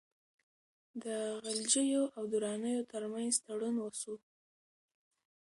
د غلجیو او درانیو ترمنځ تړون وسو.